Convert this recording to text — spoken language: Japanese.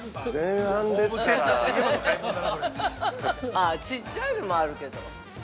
◆あっ、ちっちゃいのもあるけど。